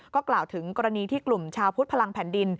ก็กล่าวถึงกรณีที่กลุ่มชาวพุทธพลังแผ่นดิน